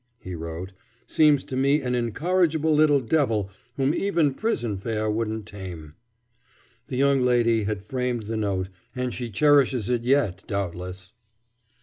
he wrote, "seems to me an incorrigible little devil whom even prison fare won't tame." The young lady had framed the note, and she cherishes it yet, doubtless.